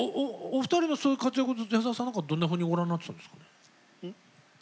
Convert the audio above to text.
お二人のそういう活躍を矢沢さんなんかはどんなふうにご覧になっていたんですか？